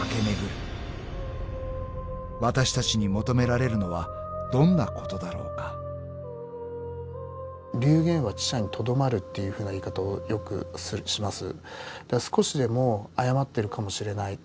［私たちに求められるのはどんなことだろうか］っていうふうな言い方をよくします。